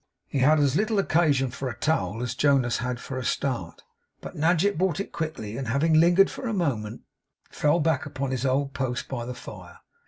He had as little occasion for a towel as Jonas had for a start. But Nadgett brought it quickly; and, having lingered for a moment, fell back upon his old post by the fire.